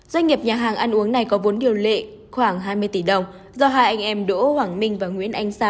doanh nghiệp nhà hàng ăn uống này có vốn điều lệ khoảng hai mươi tỷ đồng do hai anh em đỗ hoàng minh và nguyễn anh sa